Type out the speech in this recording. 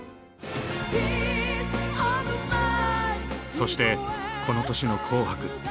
そしてこの年の「紅白」。